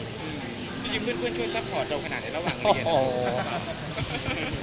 มีเพื่อนซัพพอร์ตเท่าขนาดนี้ระหว่างเรียน